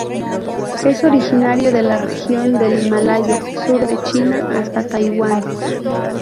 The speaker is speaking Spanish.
Es originario de la región del Himalaya, sur de China, hasta Taiwán.